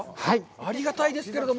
ありがたいですけれども。